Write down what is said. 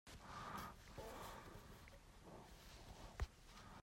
She was kind to sick old people.